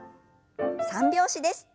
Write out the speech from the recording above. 三拍子です。